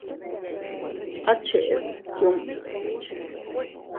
¿A cheʼed yundu?